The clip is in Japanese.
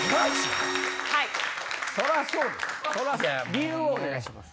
理由をお願いします。